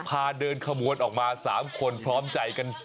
เดินขบวนออกมา๓คนพร้อมใจกัน